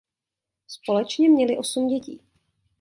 Společně měli osm dětí.